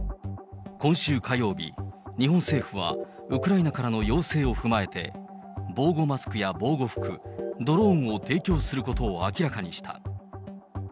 今週火曜日、日本政府はウクライナからの要請を踏まえて、防護マスクや防護服、ドローンを提供することを明らかにした。